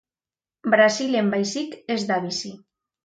Brasilen baizik ez da bizi.